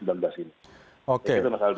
jadi bisa menjadi bom atom penampilan atau apa